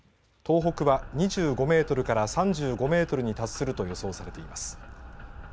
東北は２５メートルから３５メートルに達すると予想されています。